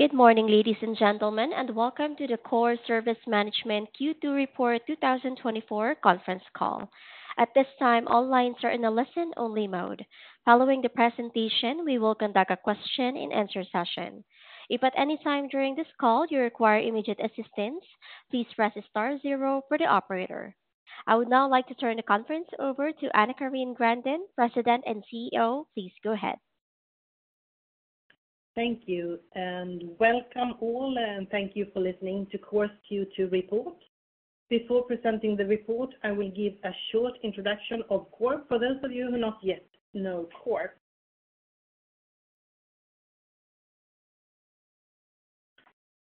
Good morning, ladies and gentlemen, and welcome to the Coor Service Management Q2 2024 Report conference call. At this time, all lines are in a listen-only mode. Following the presentation, we will conduct a question-and-answer session. If at any time during this call you require immediate assistance, please press star zero for the operator. I would now like to turn the conference over to AnnaCarin Grandin, President and CEO. Please go ahead. Thank you, and welcome all, and thank you for listening to Coor's Q2 report. Before presenting the report, I will give a short introduction of Coor. For those of you who not yet know Coor,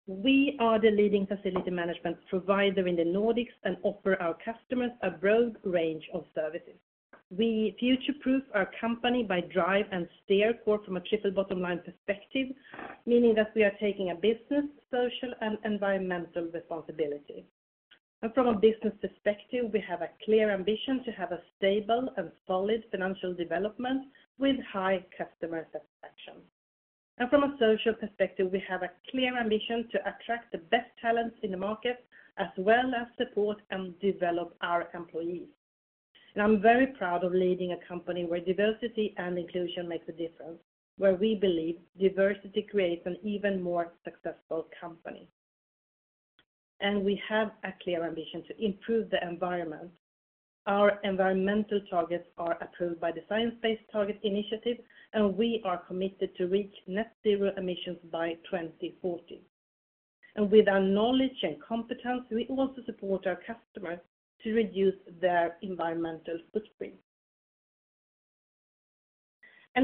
we are the leading facility management provider in the Nordics and offer our customers a broad range of services. We future-proof our company by drive and steer Coor from a triple bottom line perspective, meaning that we are taking a business, social, and environmental responsibility. From a business perspective, we have a clear ambition to have a stable and solid financial development with high customer satisfaction. From a social perspective, we have a clear ambition to attract the best talents in the market, as well as support and develop our employees. I'm very proud of leading a company where diversity and inclusion makes a difference, where we believe diversity creates an even more successful company. We have a clear ambition to improve the environment. Our environmental targets are approved by the Science Based Targets initiative, and we are committed to reach net zero emissions by 2040. With our knowledge and competence, we also support our customers to reduce their environmental footprint.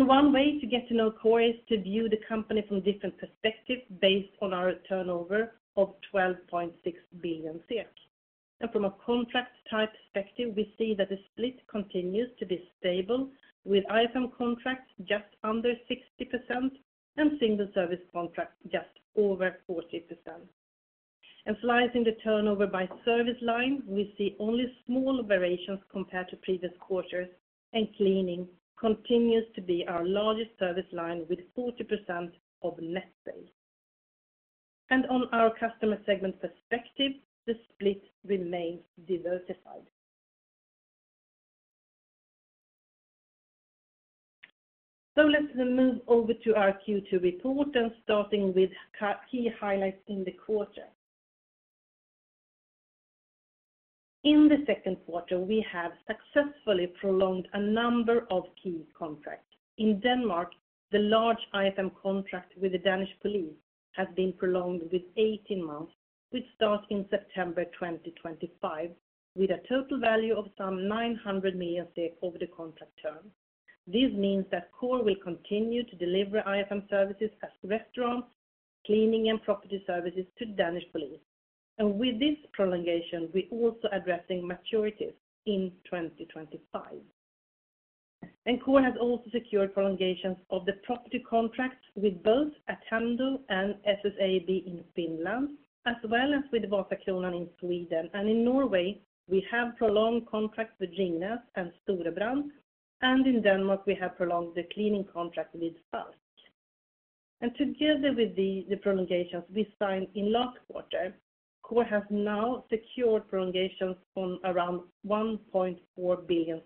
One way to get to know Coor is to view the company from different perspectives based on our turnover of 12.6 billion SEK. From a contract type perspective, we see that the split continues to be stable, with IFM contracts just under 60% and single service contracts just over 40%. Slicing the turnover by service line, we see only small variations compared to previous quarters, and cleaning continues to be our largest service line with 40% of net sales. On our customer segment perspective, the split remains diversified. Let's move over to our Q2 report and starting with key highlights in the quarter. In the Q2, we have successfully prolonged a number of key contracts. In Denmark, the large IFM contract with the Danish Police has been prolonged with 18 months, which starts in September 2025, with a total value of some 900 million over the contract term. This means that Coor will continue to deliver IFM services as restaurants, cleaning, and property services to Danish Police. With this prolongation, we're also addressing maturities in 2025. Coor has also secured prolongations of the property contracts with both Attendo and SSAB in Finland, as well as with Vattenfall in Sweden. In Norway, we have prolonged contracts with Gjensidige and Storebrand, and in Denmark, we have prolonged the cleaning contract with Falck. Together with the prolongations we signed in last quarter, Coor has now secured prolongations on around 1.4 billion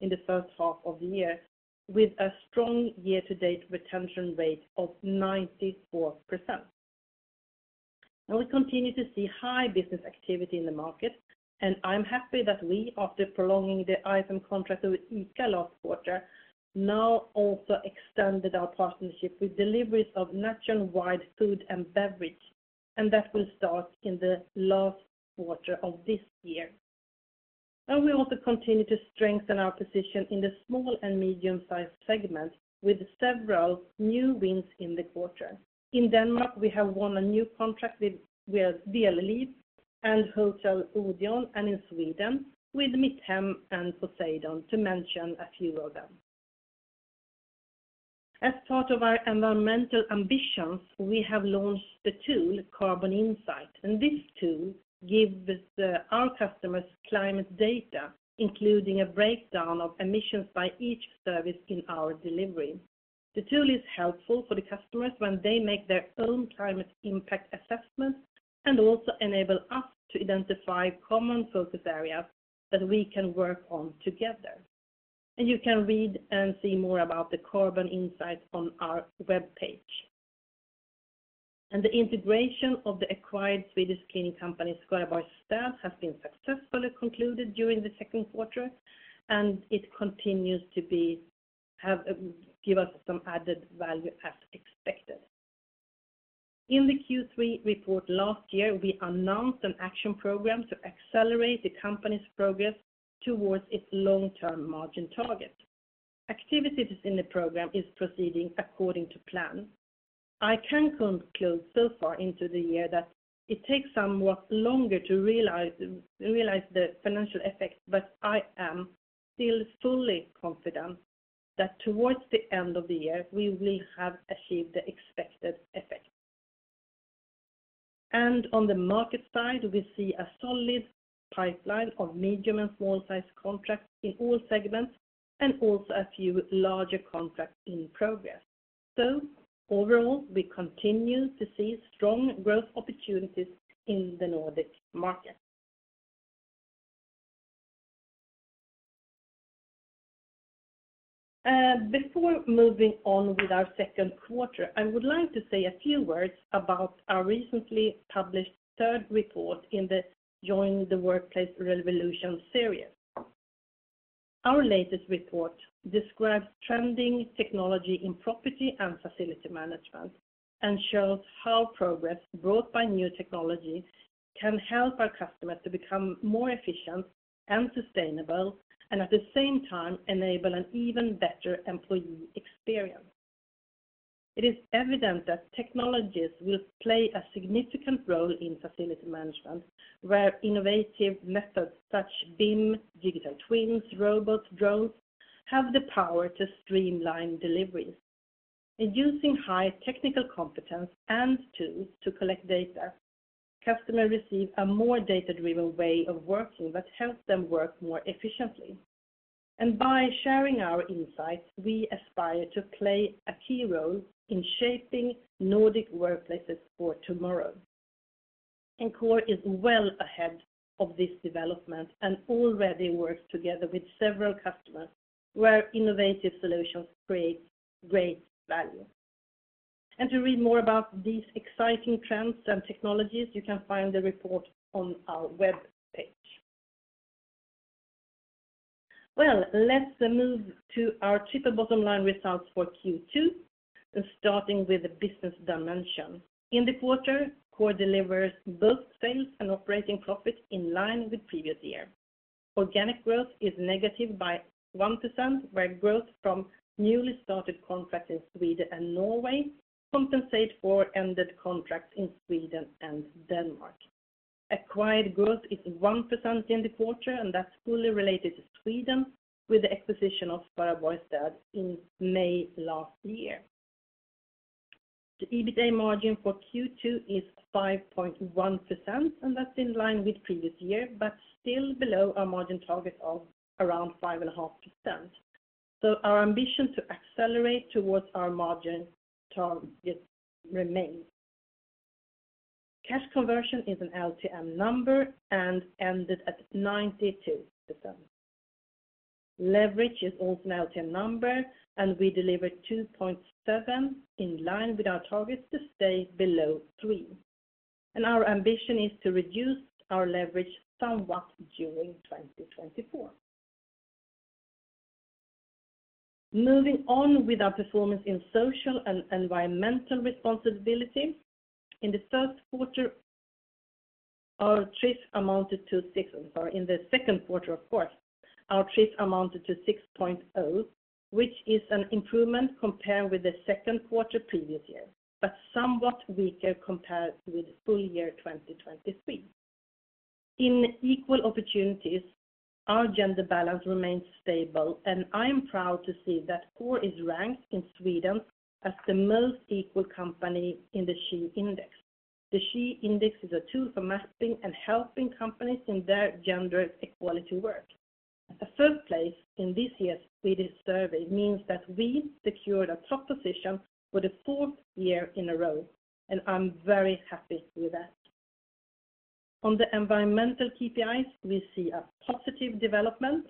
in the first half of the year, with a strong year-to-date retention rate of 94%. We continue to see high business activity in the market, and I'm happy that we, after prolonging the IFM contract with ICA last quarter, now also extended our partnership with deliveries of nationwide food and beverage, and that will start in the last quarter of this year. We also continue to strengthen our position in the small and medium-sized segments with several new wins in the quarter. In Denmark, we have won a new contract with DL Elite and Hotel Odeon, and in Sweden with Mitthem and Poseidon, to mention a few of them. As part of our environmental ambitions, we have launched the tool, Carbon Insight, and this tool gives our customers climate data, including a breakdown of emissions by each service in our delivery. The tool is helpful for the customers when they make their own climate impact assessments and also enable us to identify common focus areas that we can work on together. You can read and see more about the Carbon Insights on our webpage. The integration of the acquired Swedish cleaning company, Skaraborgs Städ, has been successfully concluded during the Q2, and it continues to have and give us some added value as expected. In the Q3 report last year, we announced an action program to accelerate the company's progress towards its long-term margin target. Activities in the program is proceeding according to plan. I can conclude so far into the year that it takes somewhat longer to realize the financial effects, but I am still fully confident that towards the end of the year, we will have achieved the expected effect. On the market side, we see a solid pipeline of medium and small-sized contracts in all segments, and also a few larger contracts in progress. So overall, we continue to see strong growth opportunities in the Nordic market. Before moving on with our Q2, I would like to say a few words about our recently published third report in the Join the Workplace Revolution series. Our latest report describes trending technology in property and facility management, and shows how progress brought by new technology can help our customers to become more efficient and sustainable, and at the same time, enable an even better employee experience. It is evident that technologies will play a significant role in facility management, where innovative methods such as BIM, digital twins, robots, drones have the power to streamline deliveries. In using high technical competence and tools to collect data, customers receive a more data-driven way of working that helps them work more efficiently. By sharing our insights, we aspire to play a key role in shaping Nordic workplaces for tomorrow. Coor is well ahead of this development and already works together with several customers, where innovative solutions create great value. To read more about these exciting trends and technologies, you can find the report on our webpage. Well, let's move to our triple bottom line results for Q2, starting with the business dimension. In the quarter, Coor delivers both sales and operating profits in line with previous year. Organic growth is negative by 1%, where growth from newly started contracts in Sweden and Norway compensate for ended contracts in Sweden and Denmark. Acquired growth is 1% in the quarter, and that's fully related to Sweden, with the acquisition of Skaraborgs Städ in May last year. The EBITA margin for Q2 is 5.1%, and that's in line with previous year, but still below our margin target of around 5.5%. So our ambition to accelerate towards our margin target remains. Cash conversion is an LTM number and ended at 92%. Leverage is also an LTM number, and we delivered 2.7, in line with our target to stay below 3. And our ambition is to reduce our leverage somewhat during 2024. Moving on with our performance in social and environmental responsibility. In the Q1, our trips amounted to six—sorry, in the Q2, of course, our trips amounted to 6.0, which is an improvement compared with the Q2 previous year, but somewhat weaker compared with full year 2023. In equal opportunities, our gender balance remains stable, and I'm proud to see that Coor is ranked in Sweden as the most equal company in the SHE Index. The SHE Index is a tool for mapping and helping companies in their gender equality work. A third place in this year's Swedish survey means that we secured a top position for the fourth year in a row, and I'm very happy with that. On the environmental KPIs, we see a positive development.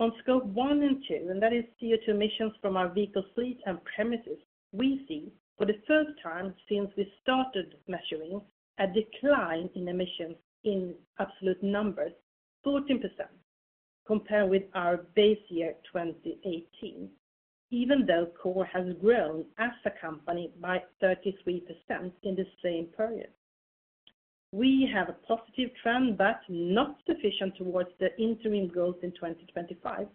On Scope 1 and 2, and that is CO2 emissions from our vehicle fleet and premises, we see, for the first time since we started measuring, a decline in emissions in absolute numbers, 14%, compared with our base year, 2018, even though Coor has grown as a company by 33% in the same period. We have a positive trend, but not sufficient towards the interim goal in 2025,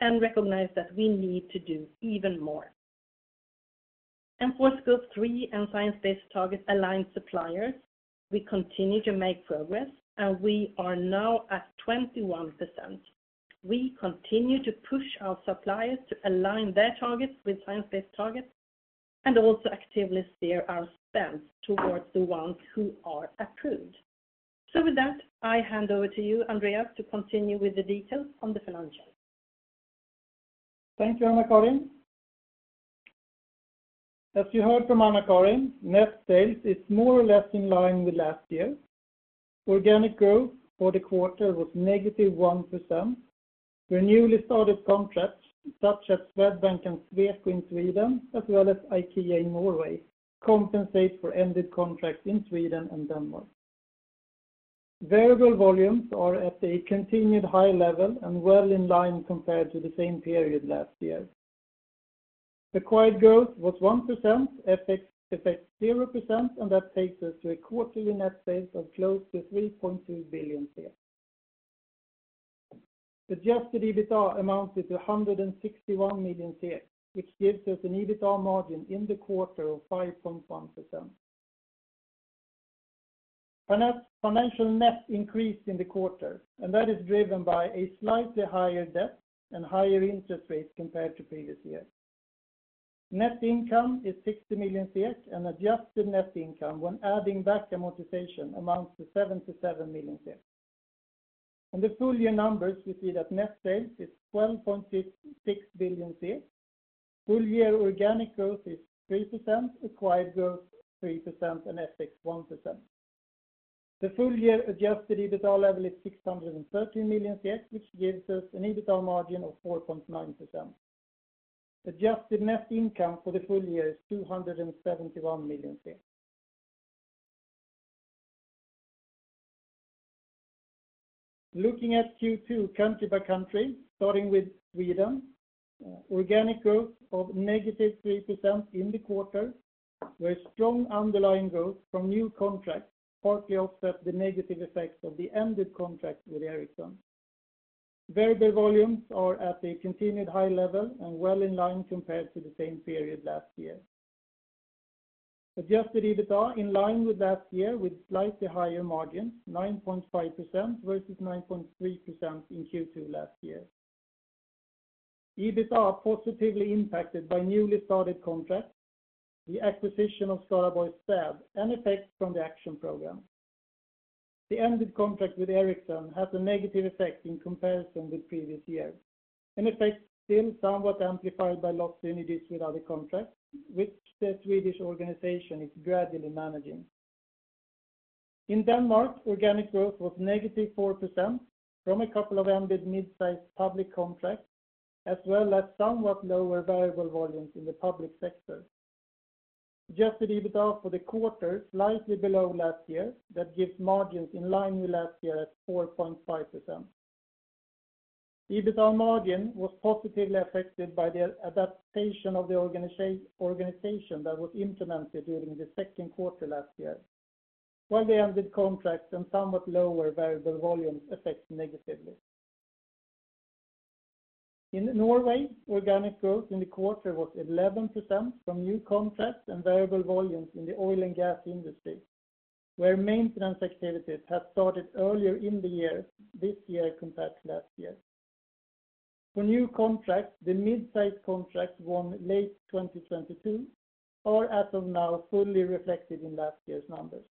and recognize that we need to do even more. And for Scope 3 and Science Based Targets aligned suppliers, we continue to make progress, and we are now at 21%. We continue to push our suppliers to align their targets with Science Based Targets and also actively steer our spends towards the ones who are approved. So with that, I hand over to you, Andreas, to continue with the details on the financials. Thank you, AnnaCarin. As you heard from AnnaCarin, net sales is more or less in line with last year. Organic growth for the quarter was -1%, where newly started contracts, such as Swedbank and Sweco in Sweden, as well as IKEA in Norway, compensate for ended contracts in Sweden and Denmark. Variable volumes are at a continued high level and well in line compared to the same period last year. Acquired growth was 1%, FX effect 0%, and that takes us to a quarterly net sales of close to 3.2 billion. Adjusted EBITA amounted to 161 million, which gives us an EBITA margin in the quarter of 5.1%. Financial net increased in the quarter, and that is driven by a slightly higher debt and higher interest rates compared to previous year. Net income is 60 million, and adjusted net income when adding back amortization amounts to 77 million. On the full year numbers, we see that net sales is 12.6 billion. Full year organic growth is 3%, acquired growth 3%, and FX 1%. The full year adjusted EBITDA level is 613 million, which gives us an EBITDA margin of 4.9%. Adjusted net income for the full year is 271 million. Looking at Q2 country by country, starting with Sweden, organic growth of -3% in the quarter, where strong underlying growth from new contracts partly offset the negative effects of the ended contract with Ericsson. Variable volumes are at a continued high level and well in line compared to the same period last year. Adjusted EBITDA in line with last year, with slightly higher margins, 9.5% versus 9.3% in Q2 last year. EBITDA positively impacted by newly started contracts, the acquisition of Skaraborgs Städ, and effects from the action program. The ended contract with Ericsson has a negative effect in comparison with previous years, an effect still somewhat amplified by lost synergies with other contracts, which the Swedish organization is gradually managing. In Denmark, organic growth was -4% from a couple of ended mid-sized public contracts, as well as somewhat lower variable volumes in the public sector. Adjusted EBITDA for the quarter, slightly below last year, that gives margins in line with last year at 4.5%. EBITDA margin was positively affected by the adaptation of the organization that was implemented during the Q2 last year, while the ended contracts and somewhat lower variable volumes affect negatively. In Norway, organic growth in the quarter was 11% from new contracts and variable volumes in the oil and gas industry, where maintenance activities have started earlier in the year, this year compared to last year. For new contracts, the mid-size contracts won late 2022 are as of now fully reflected in last year's numbers.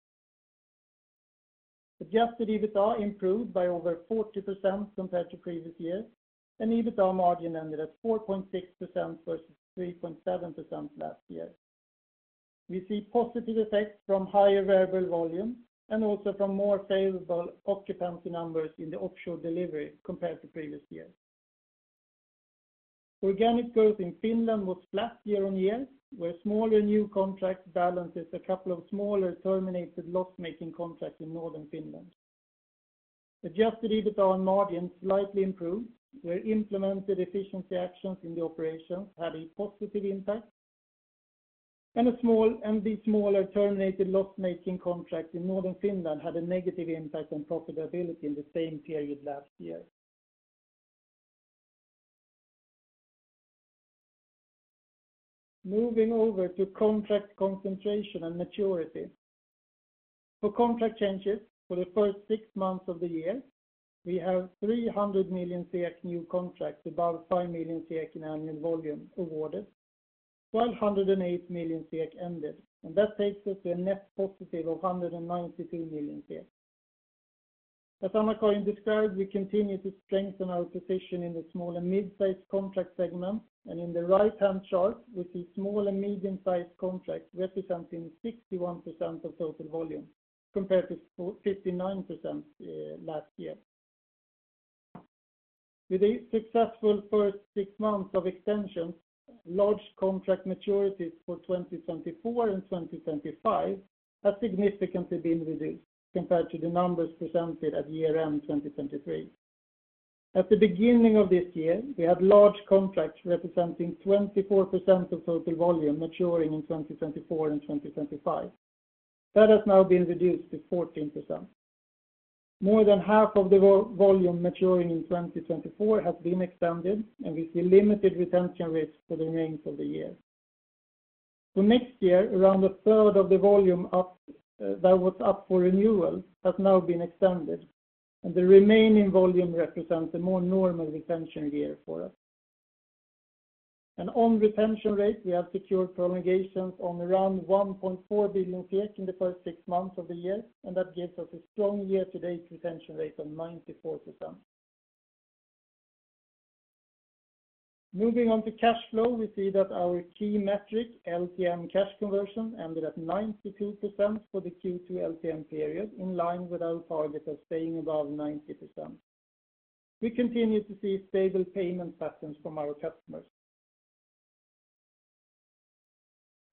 Adjusted EBITDA improved by over 40% compared to previous year, and EBITDA margin ended at 4.6% versus 3.7% last year. We see positive effects from higher variable volume and also from more favorable occupancy numbers in the offshore delivery compared to previous year. Organic growth in Finland was flat year-on-year, where smaller new contracts balances a couple of smaller terminated loss-making contracts in northern Finland. Adjusted EBITA margin slightly improved, where implemented efficiency actions in the operations had a positive impact, and the smaller terminated loss-making contract in northern Finland had a negative impact on profitability in the same period last year. Moving over to contract concentration and maturity. For contract changes for the first six months of the year, we have 300 million new contracts, above 5 million in annual volume awarded, 108 million ended, and that takes us to a net positive of 192 million. As AnnaCarin described, we continue to strengthen our position in the small and mid-sized contract segment, and in the right-hand chart, we see small and medium-sized contracts representing 61% of total volume, compared to 59% last year. With a successful first six months of extension, large contract maturities for 2024 and 2025 have significantly been reduced compared to the numbers presented at year-end 2023. At the beginning of this year, we had large contracts representing 24% of total volume maturing in 2024 and 2025. That has now been reduced to 14%. More than half of the volume maturing in 2024 has been extended, and we see limited retention risks for the remainder of the year. For next year, around a third of the volume up, that was up for renewal, has now been extended, and the remaining volume represents a more normal retention year for us. On retention rate, we have secured prolongations on around 1.4 billion in the first six months of the year, and that gives us a strong year-to-date retention rate of 94%. Moving on to cash flow, we see that our key metric, LTM cash conversion, ended at 92% for the Q2 LTM period, in line with our target of staying above 90%. We continue to see stable payment patterns from our customers.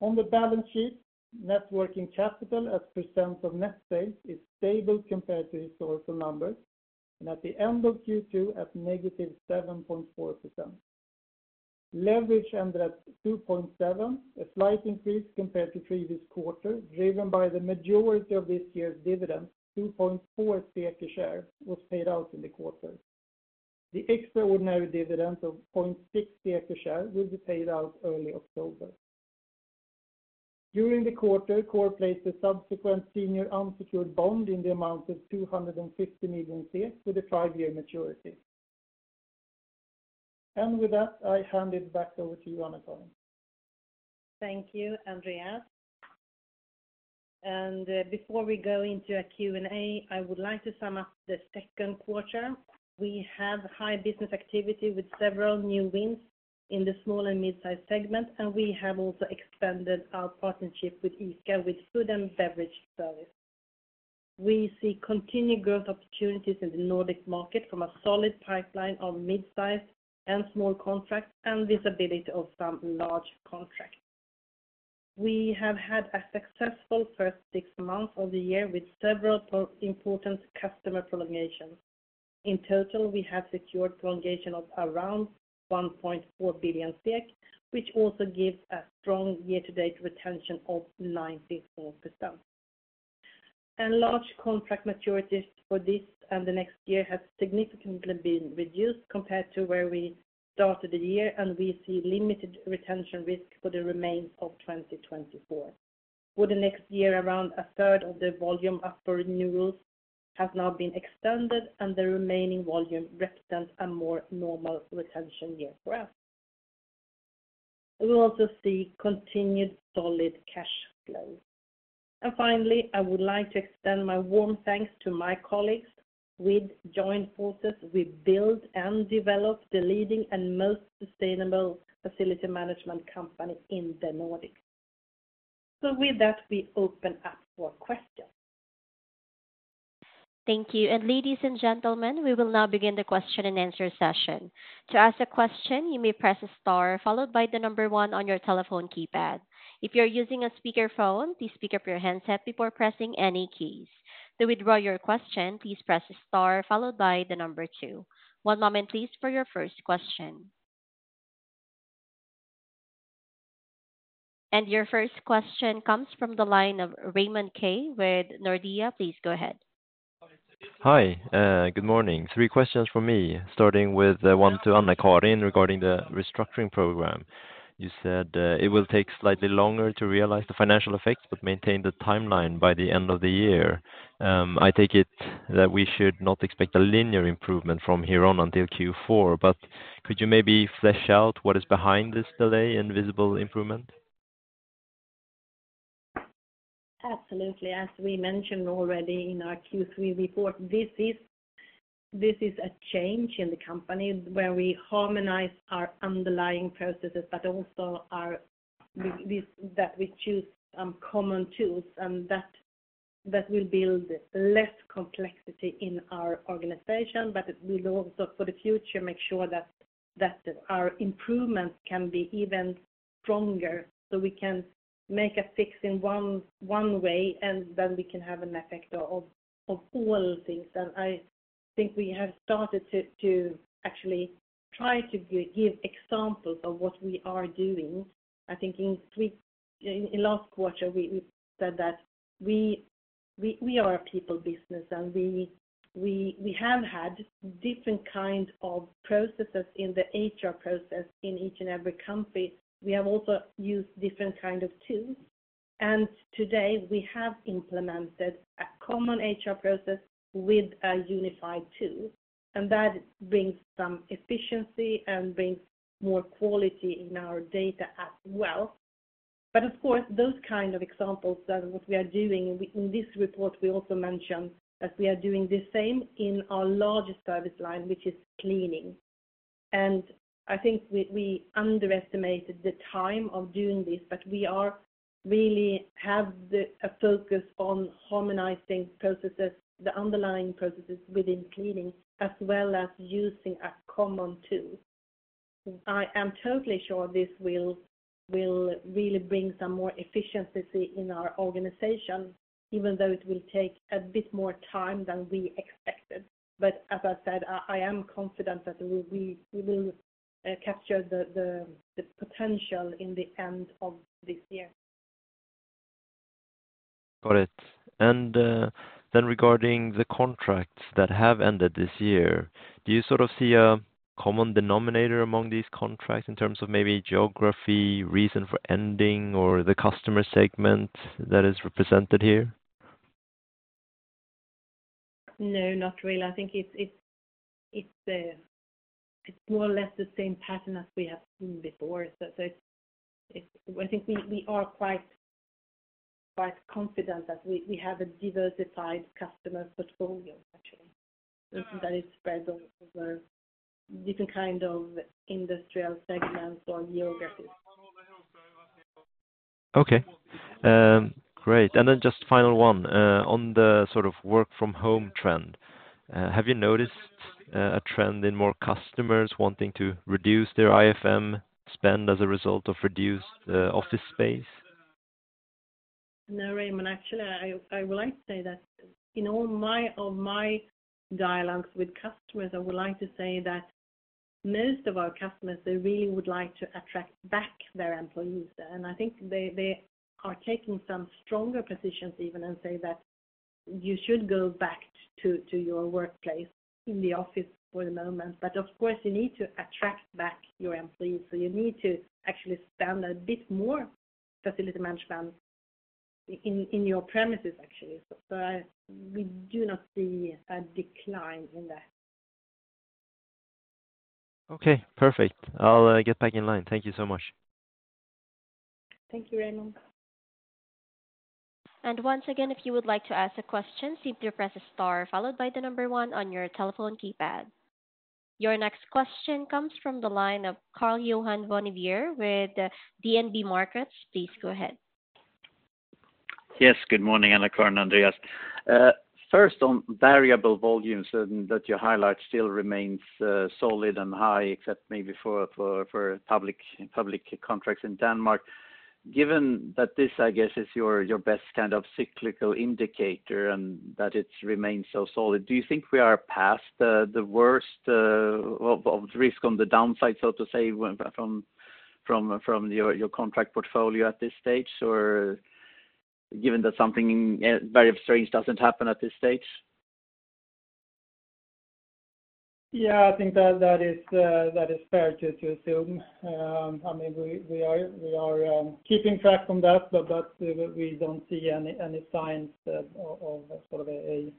On the balance sheet, net working capital at percent of net sales is stable compared to historical numbers, and at the end of Q2, at -7.4%. Leverage ended at 2.7, a slight increase compared to previous quarter, driven by the majority of this year's dividend, 2.4 per share, was paid out in the quarter. The extraordinary dividend of 0.6 per share will be paid out early October. During the quarter, Coor placed a subsequent senior unsecured bond in the amount of 250 million, with a 5-year maturity. With that, I hand it back over to you, AnnaCarin. Thank you, Andreas. Before we go into a Q&A, I would like to sum up the Q2. We have high business activity with several new wins in the small and mid-size segment, and we have also expanded our partnership with ICA, with food and beverage service. We see continued growth opportunities in the Nordic market from a solid pipeline of mid-size and small contracts, and visibility of some large contracts. We have had a successful first six months of the year with several important customer prolongations. In total, we have secured prolongation of around 1.4 billion SEK, which also gives a strong year-to-date retention of 94%. Large contract maturities for this and the next year have significantly been reduced compared to where we started the year, and we see limited retention risk for the remains of 2024. For the next year, around a third of the volume up for renewals has now been extended, and the remaining volume represents a more normal retention year for us. We will also see continued solid cash flow. Finally, I would like to extend my warm thanks to my colleagues. With joint forces, we build and develop the leading and most sustainable facility management company in the Nordics. With that, we open up for questions. Thank you. Ladies and gentlemen, we will now begin the question and answer session. To ask a question, you may press star followed by the number 1 on your telephone keypad. If you're using a speakerphone, please pick up your handset before pressing any keys. To withdraw your question, please press star followed by the number 2. One moment, please, for your first question. Your first question comes from the line of Raymond Ke with Nordea. Please go ahead. Hi, good morning. Three questions from me, starting with, one to AnnaCarin regarding the restructuring program. You said, it will take slightly longer to realize the financial effects, but maintain the timeline by the end of the year. I take it that we should not expect a linear improvement from here on until Q4, but could you maybe flesh out what is behind this delay in visible improvement? Absolutely. As we mentioned already in our Q3 report, this is a change in the company where we harmonize our underlying processes, but also that we choose some common tools, and that will build less complexity in our organization, but it will also, for the future, make sure that our improvements can be even stronger, so we can make a fix in one way, and then we can have an effect of all things. And I think we have started to actually try to give examples of what we are doing. I think in last quarter, we said that we are a people business, and we have had different kind of processes in the HR process in each and every country. We have also used different kind of tools, and today we have implemented a common HR process with a unified tool, and that brings some efficiency and brings more quality in our data as well. But of course, those kind of examples are what we are doing. In this report, we also mentioned that we are doing the same in our largest service line, which is cleaning. And I think we, we underestimated the time of doing this, but we are really have the, a focus on harmonizing processes, the underlying processes within cleaning, as well as using a common tool. I am totally sure this will, will really bring some more efficiency in our organization, even though it will take a bit more time than we expected. As I said, I am confident that we will capture the potential in the end of this year. Got it. And, then regarding the contracts that have ended this year, do you sort of see a common denominator among these contracts in terms of maybe geography, reason for ending, or the customer segment that is represented here? No, not really. I think it's more or less the same pattern as we have seen before. So it's—I think we are quite confident that we have a diversified customer portfolio, actually, that it spreads over different kind of industrial segments or geographies. Okay. Great. And then just final one, on the sort of work from home trend. Have you noticed a trend in more customers wanting to reduce their IFM spend as a result of reduced office space? No, Raymond, actually, I would like to say that in all of my dialogues with customers, I would like to say that most of our customers, they really would like to attract back their employees, and I think they are taking some stronger positions even and say that- you should go back to your workplace in the office for the moment. But of course, you need to attract back your employees, so you need to actually spend a bit more facility management in your premises, actually. So I- we do not see a decline in that. Okay, perfect. I'll get back in line. Thank you so much. Thank you, Raymond. Once again, if you would like to ask a question, simply press star followed by the number one on your telephone keypad. Your next question comes from the line of Karl-Johan Bonnevier with DNB Markets. Please go ahead. Yes, good morning, AnnaCarin and Andreas. First, on variable volumes that you highlight still remains solid and high, except maybe for public contracts in Denmark. Given that this, I guess, is your best kind of cyclical indicator and that it remains so solid, do you think we are past the worst of the risk on the downside, so to say, from your contract portfolio at this stage, or given that something very strange doesn't happen at this stage? Yeah, I think that is fair to assume. I mean, we are keeping track on that, but that's, we don't see any signs of sort of a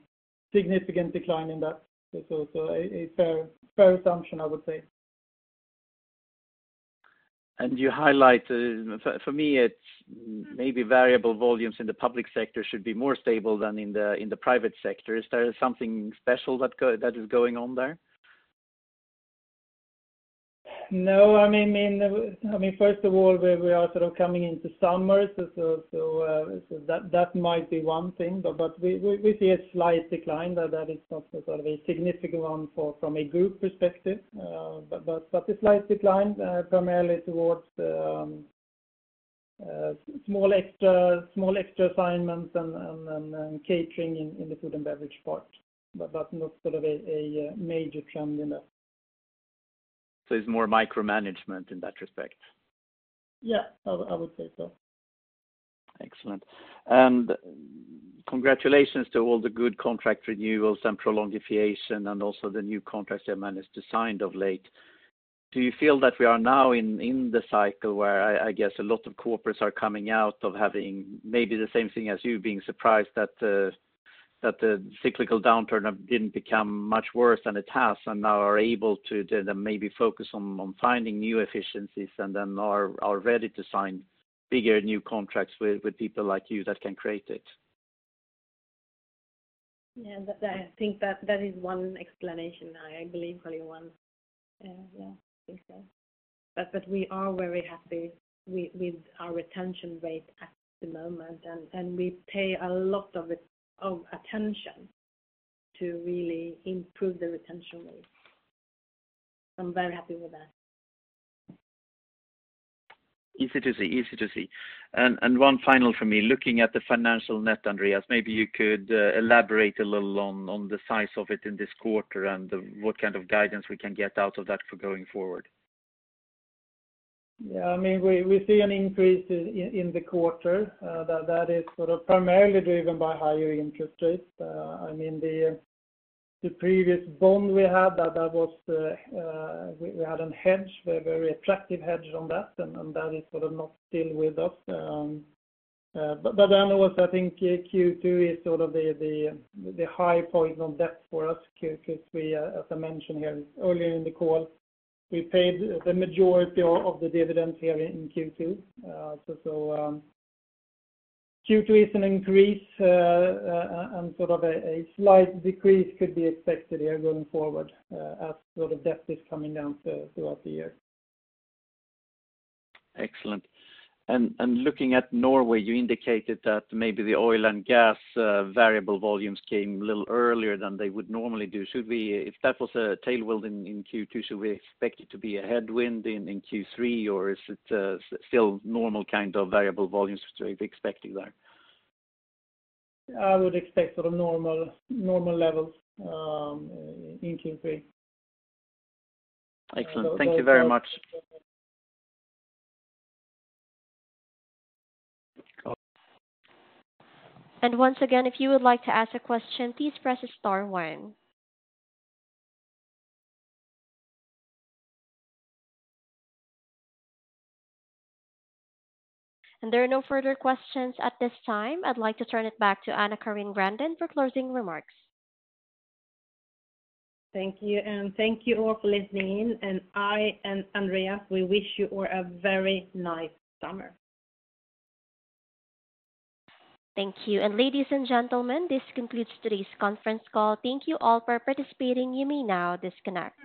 significant decline in that. So, a fair assumption, I would say. You highlight, for me, it's maybe variable volumes in the public sector should be more stable than in the private sector. Is there something special that is going on there? No, I mean, first of all, we are sort of coming into summer, so that might be one thing, but we see a slight decline, but that is not a sort of a significant one from a group perspective, but a slight decline, primarily toward small extra assignments and catering in the food and beverage part, but not sort of a major trend in that. So it's more micromanagement in that respect? Yeah, I would, I would say so. Excellent. And congratulations to all the good contract renewals and prolongation, and also the new contracts that managed to sign of late. Do you feel that we are now in, in the cycle where I, I guess a lot of corporates are coming out of having maybe the same thing as you, being surprised that the, that the cyclical downturn have didn't become much worse than it has, and now are able to then maybe focus on, on finding new efficiencies and then are, are ready to sign bigger new contracts with, with people like you that can create it? Yeah, I think that is one explanation. I believe only one. Yeah, I think so. But we are very happy with our retention rate at the moment, and we pay a lot of attention to really improve the retention rate. I'm very happy with that. Easy to see, easy to see. And one final for me, looking at the financial net, Andreas, maybe you could elaborate a little on the size of it in this quarter and what kind of guidance we can get out of that for going forward. Yeah, I mean, we see an increase in the quarter that is sort of primarily driven by higher interest rates. I mean, the previous bond we had, that was we had a hedge, a very attractive hedge on that, and that is sort of not still with us. But then also, I think Q2 is sort of the high point on debt for us, Q2, as I mentioned here earlier in the call, we paid the majority of the dividends here in Q2. So Q2 is an increase and sort of a slight decrease could be expected here going forward, as sort of debt is coming down throughout the year. Excellent. And looking at Norway, you indicated that maybe the oil and gas variable volumes came a little earlier than they would normally do. If that was a tailwind in Q2, should we expect it to be a headwind in Q3, or is it still normal kind of variable volumes we're expecting there? I would expect sort of normal, normal levels, in Q3. Excellent. Thank you very much. Once again, if you would like to ask a question, please press star one. There are no further questions at this time. I'd like to turn it back to AnnaCarin Grandin for closing remarks. Thank you, and thank you all for listening, and I and Andreas, we wish you all a very nice summer. Thank you. And ladies and gentlemen, this concludes today's conference call. Thank you all for participating. You may now disconnect.